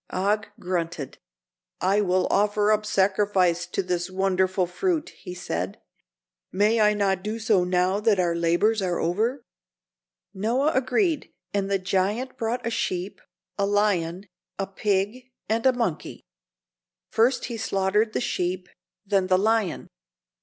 Og grunted. "I will offer up sacrifice to this wonderful fruit," he said. "May I not do so now that our labors are over?" Noah agreed, and the giant brought a sheep, a lion, a pig and a monkey. First, he slaughtered the sheep, then the lion.